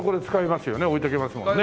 置いとけますもんね。